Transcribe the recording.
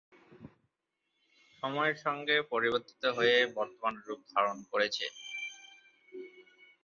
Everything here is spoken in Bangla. সময়ের সংগে পরিবর্তিত হয়ে বর্তমান রূপ ধারণ করেছে।